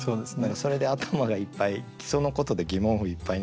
それで頭がいっぱいそのことで疑問符いっぱいになってる。